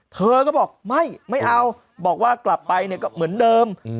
เธอก็บอกไม่ไม่เอาบอกว่ากลับไปเนี่ยก็เหมือนเดิม